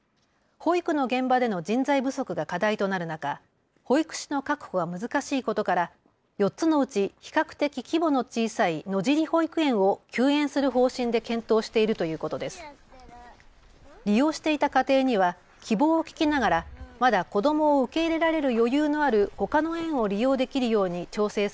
保育の現場での人材不足が課題となる中、保育士の確保が難しいことから４つのうち比較的規模の小さい野尻保育園を休園する方針で検討しているということです。